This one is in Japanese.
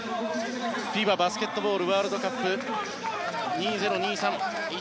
ＦＩＢＡバスケットボールワールドカップ２０２３１